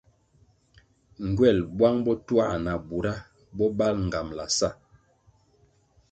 Ngywel buang botuah na bura bo bali nğambala sa.